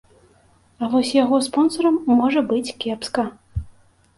А вось яго спонсарам можа быць кепска.